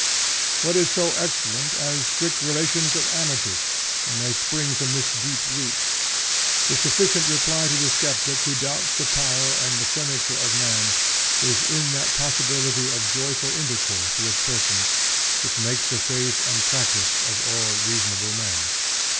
What is so excellent as strict relations of amity, when they spring from this deep root? The sufficient reply to the skeptic who doubts the power and the furniture of man, is in that possibility of joyful intercourse with persons, which makes the faith and practice of all reasonable men.